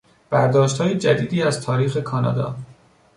برداشتهای جدیدی از تاریخ کانادا